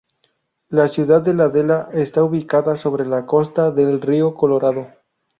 La ciudad de La Adela está ubicada sobre la costa del río Colorado.